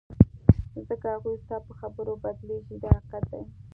ځکه هغوی ستا په خبرو بدلیږي دا حقیقت دی.